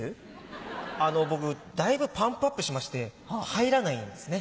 あの僕だいぶパンプアップしまして入らないんですね。